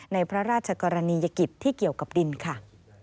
ในพระราชกรณียกิจที่เกี่ยวกับดินค่ะ